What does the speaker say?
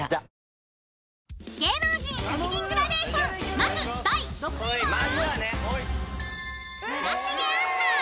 ［まず第６位は？］え！